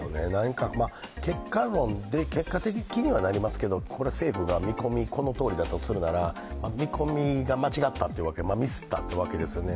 結果論で、結果的にはなりますけれども政府が見込み、このとおりだとするなら見込みが間違ったミスったというわけですよね。